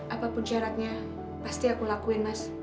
apapun syaratnya pasti aku lakuin mas